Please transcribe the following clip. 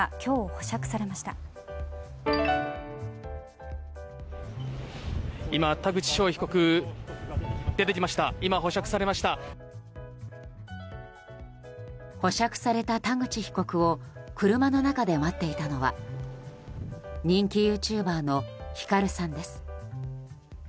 保釈された田口被告を車の中で待っていたのは人気ユーチューバーのヒカルさんです。